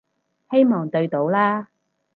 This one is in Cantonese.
希望對到啦